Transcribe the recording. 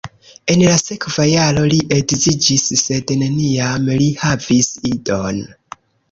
En la sekva jaro li edziĝis sed neniam li havis idon.